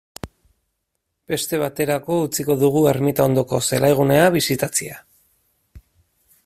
Beste baterako utziko dugu ermita ondoko zelaigunea bisitatzea.